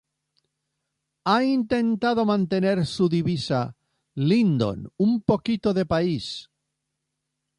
Ha intentado mantener su divisa ""Lindon: un poquito de país.